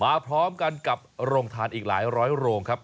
พร้อมกันกับโรงทานอีกหลายร้อยโรงครับ